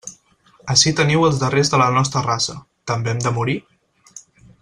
Ací teniu els darrers de la nostra raça, ¿també hem de morir?